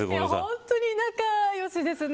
本当に仲良しですね。